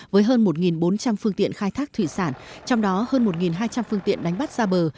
với hơn một bốn trăm linh phương tiện khai thác thủy sản trong đó hơn một hai trăm linh phương tiện đánh bắt ra bờ